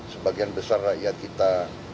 sebagian besar rakyat kita